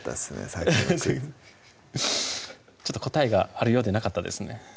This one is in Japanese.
さっきのクイズちょっと答えがあるようでなかったですね